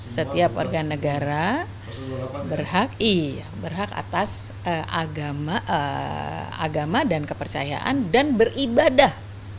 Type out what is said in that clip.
setiap warga negara berhaki berhak atas agama dan kepercayaan dan beribadah